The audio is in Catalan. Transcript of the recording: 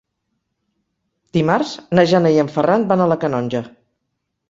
Dimarts na Jana i en Ferran van a la Canonja.